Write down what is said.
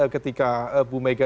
ketika bu mega